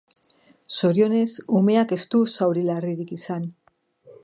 Zorionez, umeak ez du zauri larririk izan.